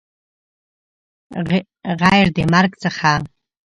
غیر د مرګ څخه